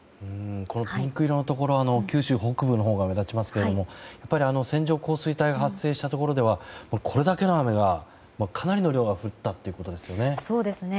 ピンク色のところ九州北部のほうが目立ちますが線状降水帯が発生したところではこれだけの雨がかなりの量降ったということですよね。